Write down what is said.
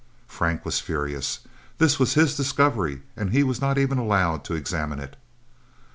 Frank was furious. This was his discovery, and he was not even allowed to examine it.